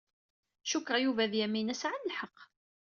Cukkeɣ Yuba d Yamina sɛan lḥeqq.